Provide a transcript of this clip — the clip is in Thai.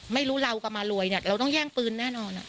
ไม่รู้เรากลับมารวยเนี่ยเราต้องแย่งปืนแน่นอน